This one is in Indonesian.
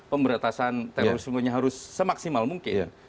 pemberatasan terorisme nya harus semaksimal mungkin